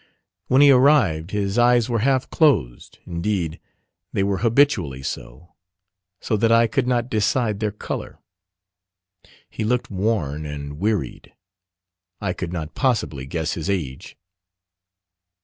When he arrived his eyes were half closed indeed they were habitually so so that I could not decide their colour. He looked worn and wearied. I could not possibly guess his age.